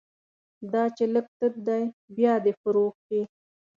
دا چې لږ تت دی، بیا دې فروغ شي